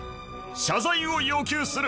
謝罪を要求する。